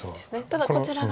ただこちらが。